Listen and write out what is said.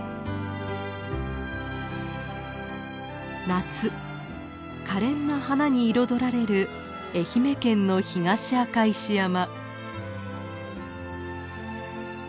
夏かれんな花に彩られる愛媛県の東赤石山。